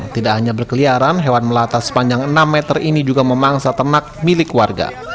tidak hanya berkeliaran hewan melata sepanjang enam meter ini juga memangsa ternak milik warga